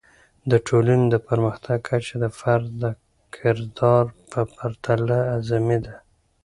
د ټولنې د پرمختګ کچه د فرد د کردار په پرتله اعظمي ده.